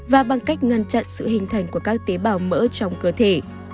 và bằng cách ngăn chặn sự hình thành của các tế bào mỡ trong cơ thể